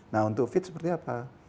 nah untuk fit seperti apa